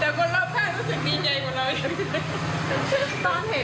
แต่คนเริ่มแทนแคร์นู้นคือยี่ใหญ่ของเราอย่างนี้